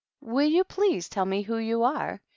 " Will you please tell me who you are ?"